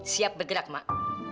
siap bergerak mak